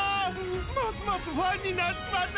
ますますファンになっちまった！